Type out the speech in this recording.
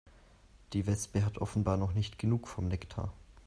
Die Wespe hat offenbar noch nicht genug vom Nektar.